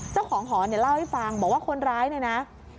เจ้าของห่อเล่าให้ฟังบอกว่าคนร้ายน่ะนะ